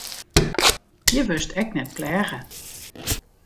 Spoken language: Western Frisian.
Hjir wurdst ek net pleage.